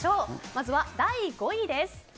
まずは第５位です。